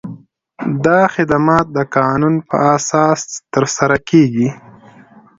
دا خدمات د قانون په اساس ترسره کیږي.